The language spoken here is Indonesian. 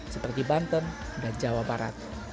seperti banten dan jawa barat